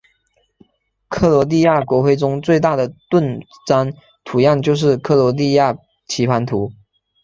克罗地亚国徽中最大的盾章图样就是克罗地亚棋盘图。